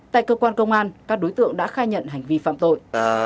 tại cơ quan công an các đối tượng đã khai nhận hành vi phạm tội